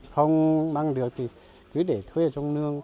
không băng được thì cứ để thuê ở trong nương